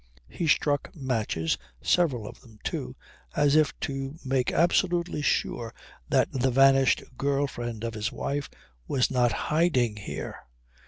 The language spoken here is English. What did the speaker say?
He struck matches, several of them too, as if to make absolutely sure that the vanished girl friend of his wife was not hiding there.